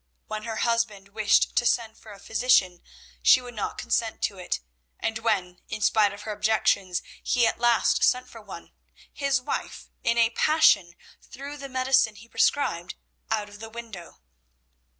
When her husband wished to send for a physician she would not consent to it, and when, in spite of her objections, he at last sent for one, his wife in a passion threw the medicine he prescribed out of the window.